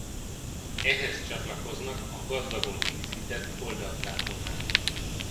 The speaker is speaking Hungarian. Ehhez csatlakoznak a gazdagon díszített oldalkápolnák.